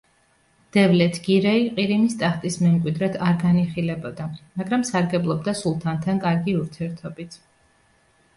დევლეთ გირეი ყირიმის ტახტის მემკვიდრედ არ განიხილებოდა, მაგრამ სარგებლობდა სულთანთან კარგი ურთიერთობით.